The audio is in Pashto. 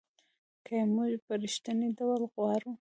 که یې موږ په رښتینې ډول غواړو .